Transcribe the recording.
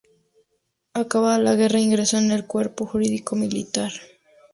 Acabada la guerra ingresó en el Cuerpo Jurídico Militar.